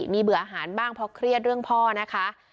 มีเบื่ออาหารบ้างเพราะเครียดเรื่องพ่อนะคะ